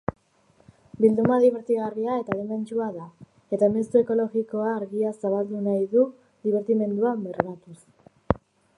Bilduma dibertigarria etaadimentsua da, eta mezu ekologiko argia zabaldu nahi du dibertimenduabermatuz.